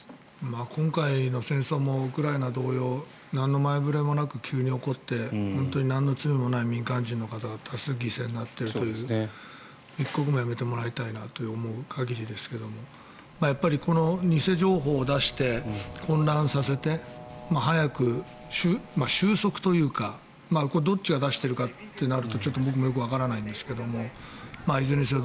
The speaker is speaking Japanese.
今回の戦争もウクライナ同様なんの前触れもなく急に起こってなんの罪もない民間人の方々が多数犠牲になっているという一刻も早くやめてもらいたいなと思う限りですがやっぱり偽情報を出して混乱させて早く収束というかどっちが出しているかとなるとちょっと僕もわからないですがいずれにせよ